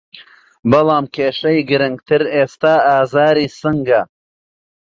بەڵام کیشەی گرنگتر ئێستا ئازاری سنگه